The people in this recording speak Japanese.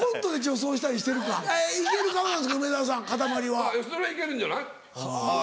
そりゃ行けるんじゃない？